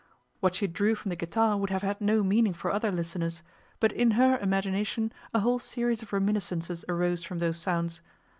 What she drew from the guitar would have had no meaning for other listeners, but in her imagination a whole series of reminiscences arose from those sounds.